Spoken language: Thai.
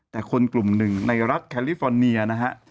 แต่คนกลุ่มหนึ่งในรัฐแคลิฟอร์เนียนะฮะ